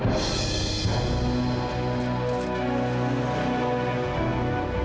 maka ingin memberikan komp laat